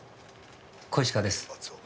小石川です。